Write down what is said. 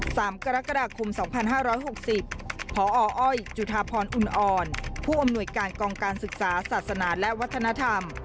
สถานที่๓กรกฎาคม๒๕๖๐พออ้อยจุธาพรอุ่นอ่อนผู้อำนวยการกองการศึกษาศาสนาและวัฒนธรรม